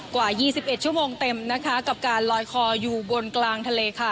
กว่า๒๑ชั่วโมงเต็มนะคะกับการลอยคออยู่บนกลางทะเลค่ะ